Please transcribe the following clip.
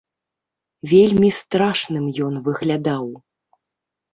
Вельмі страшным ён выглядаў.